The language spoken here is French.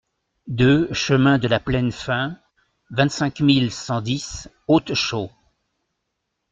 deux chemin de la Plaine Fin, vingt-cinq mille cent dix Autechaux